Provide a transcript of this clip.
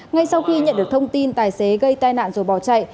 ngay sau khi nhận được thông tin tài xế gây tai nạn rồi bỏ chạy